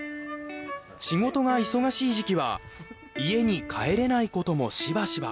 仕事が忙しい時期は家に帰れないこともしばしば。